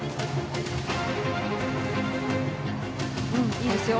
いいですよ。